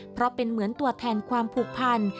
เพราะเป็นเหมือนตัวแทนความผูกพัน